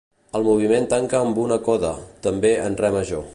El moviment tanca amb una coda, també en Re major.